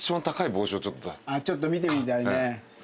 ちょっと見てみたいね。